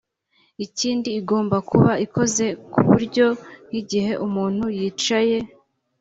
Ikindi igomba kuba ikoze ku buryo nk’igihe umuntu yicaye